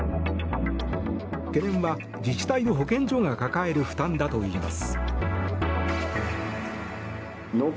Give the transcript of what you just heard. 懸念は自治体の保健所が抱える負担だといいます。